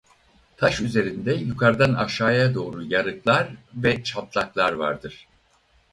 Taş üzerinde yukarıdan aşağıya doğru yarıklar ve çatlaklar vardır.